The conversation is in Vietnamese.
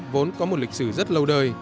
vốn có một lịch sử rất lâu đời